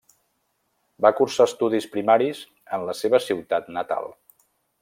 Va cursar estudis primaris en la seva ciutat natal.